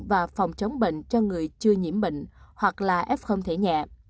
và phòng chống bệnh cho người chưa nhiễm bệnh hoặc là f thể nhẹ